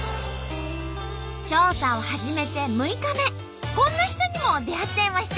調査を始めて６日目こんな人にも出会っちゃいました。